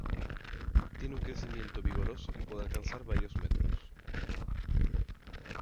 Tiene un crecimiento vigoroso que puede alcanzar varios metros.